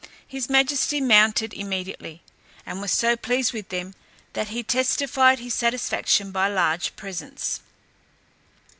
His majesty mounted immediately, and was so pleased with them, that he testified his satisfaction by large presents.